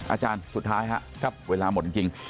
อาจารย์สุดท้ายครับเวลาหมดจริง